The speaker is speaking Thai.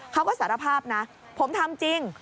เขาก็สารภาพนะผมทำจริง